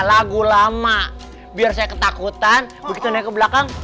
lagu lama biar saya ketakutan kebelakang belakang